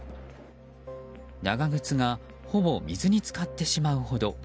長靴がほぼ水に浸かってしまうほど。